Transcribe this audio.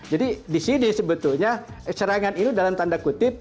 jadi disini sebetulnya serangan ini dalam tanda kutip